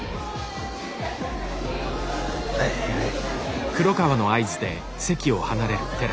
はいはい。